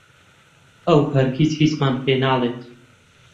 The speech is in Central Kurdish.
ئەو هەرگیز هیچمان پێ ناڵێت.